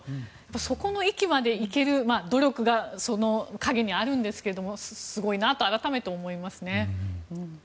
そこの域まで行ける、努力がその陰にあるんですけどもすごいなと改めて思いますね。